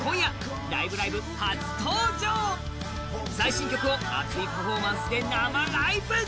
最新曲を熱いパフォーマンスで生ライブ。